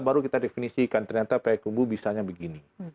baru kita definisikan ternyata payakumbu bisanya begini